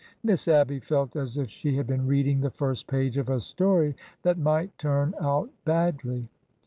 Miss Abby felt as if she had been reading the first page of a story that might turn out badly.